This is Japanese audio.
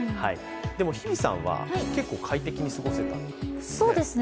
日比さんは結構快適に過ごせたんですよね。